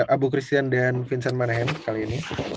abokristian dan vincent manahem kali ini